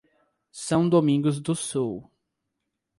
São Domingos do Sul